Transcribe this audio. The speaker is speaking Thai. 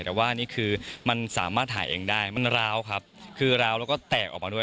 แต่ว่านี่คือมันสามารถถ่ายเองได้มันร้าวครับคือร้าวแล้วก็แตกออกมาด้วย